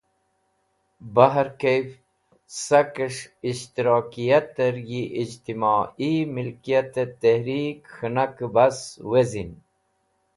Bahar kaif, Sakes̃h Ishtirakiyater yi Ijtimai milkiyate tehrik k̃hinake bas wezin.